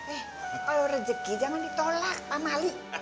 eh kalau rezeki jangan ditolak pak mali